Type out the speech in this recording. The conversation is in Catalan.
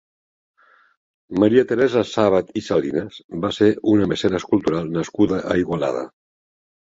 Maria Teresa Sàbat i Salinas va ser una mecenes cultural nascuda a Igualada.